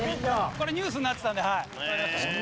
これニュースになってたんではい。